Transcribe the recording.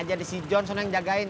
jadi kayaknyaienne lawan